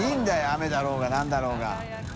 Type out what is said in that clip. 雨だろうが何だろうが。